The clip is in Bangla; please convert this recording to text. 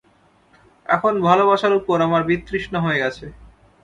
এখন ভালবাসার উপর আমার বিতৃষ্ণা হয়ে গেছে।